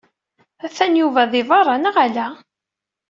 Atan Yuba di berra, neɣ ala?